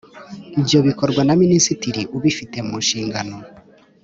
Ibyo bikorwa na minisitiri ubifite mu nshingano